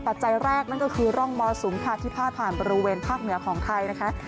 ปัจจัยแรกนั่นก็คือร่องมรสุมค่ะที่พาดผ่านบริเวณภาคเหนือของไทยนะคะ